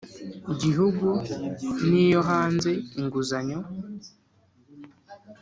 Gihugu n iyo hanze inguzanyo